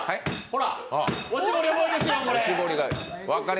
ほら！